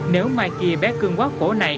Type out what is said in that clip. nếu mai kia bé cương quá khổ này